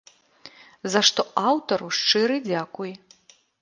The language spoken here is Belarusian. За што аўтару шчыры дзякуй!